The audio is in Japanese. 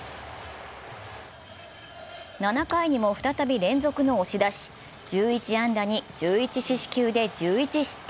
７回にも再び連続の押し出し１１安打に１１四死球で１１失点。